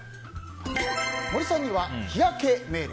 森さんには日焼け命令。